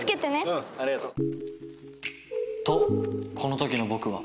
うんありがとう。